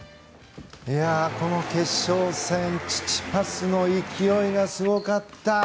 この決勝戦チチパスの勢いがすごかった！